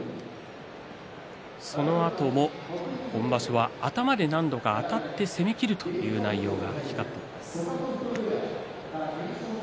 そのあとも今場所、頭であたって攻めきるという内容が光っています。